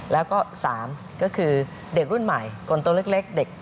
แล้วก็๓ก็คือเด็กรุ่นใหม่คนตัวเล็กเด็ก